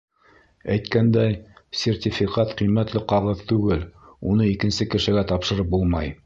Әйткәндәй, сертификат ҡиммәтле ҡағыҙ түгел, уны икенсе кешегә тапшырып булмай.